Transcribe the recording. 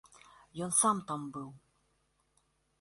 Ён сам там быў!